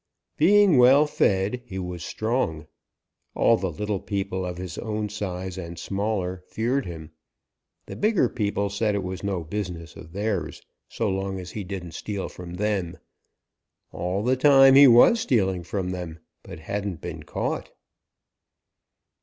Being well fed, he was strong. All the little people of his own size and smaller feared him. The bigger people said it was no business of theirs, so long as he didn't steal from them. All the time he was stealing from them, but hadn't been caught.